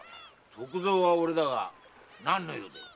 徳蔵は俺だが何の用だ？